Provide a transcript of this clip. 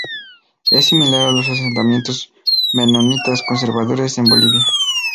Es similar a los asentamientos menonitas conservadores en Bolivia.